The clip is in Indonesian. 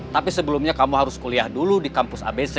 tapi sebelumnya kamu harus kuliah dulu di kampus abc